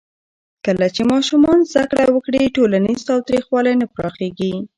کله چې ماشومان زده کړه وکړي، ټولنیز تاوتریخوالی نه پراخېږي.